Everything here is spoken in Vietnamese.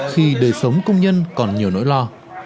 khi đời sống công nhân còn nhiều nỗi lo